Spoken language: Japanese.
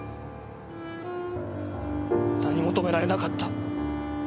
何も止められなかった。